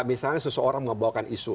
misalnya seseorang membawakan isu